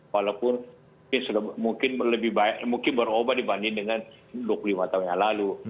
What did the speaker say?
walaupun mungkin berubah dibanding dengan dua puluh lima tahun yang lalu